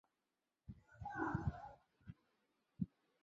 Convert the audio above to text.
糖尿病酮症酸中毒的病发率因地区而异。